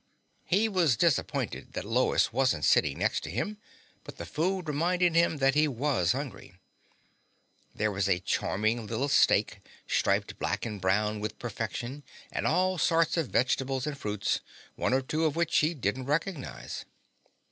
He was disappointed that Lois wasn't sitting next to him, but the food reminded him that he was hungry. There was a charming little steak, striped black and brown with perfection, and all sorts of vegetables and fruits, one or two of which he didn't recognize.